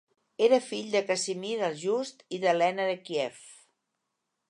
Era fill de Casimir el Just i d'Helena de Kíev.